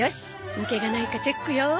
抜けがないかチェックよ。